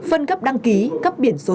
phân cấp đăng ký cấp biển số